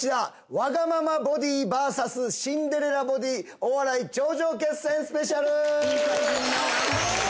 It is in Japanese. わがままボディＶＳシンデレラボディお笑い頂上決戦スペシャル！